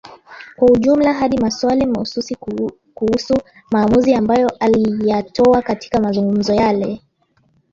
Kwa ujumla hadi maswali mahususi kuhusu maamuzi ambayo aliyatoa katika mazungumzo yale